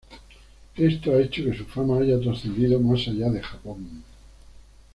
Esto ha hecho que su fama haya trascendido más allá de Japón.